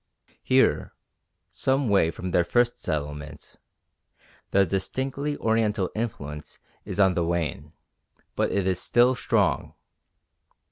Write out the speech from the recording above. Here, some way from their first settlement, the distinctly Oriental influence is on the wane, but it is still strong.